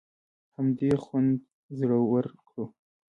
همدې خوند زړور کړو.